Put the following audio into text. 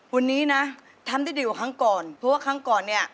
วันนี้นะทำได้ดีกว่าครั้งก่อนเพราะว่าครั้งก่อนเนี่ย